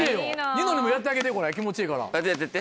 ニノにもやってあげてこれ気持ちええから。